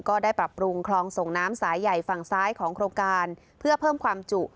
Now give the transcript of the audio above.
ก็ได้ปรับปรุงคลองส่งน้ำสายใหญ่ฝั่งซ้ายของโครงการเพื่อเพิ่มความจุ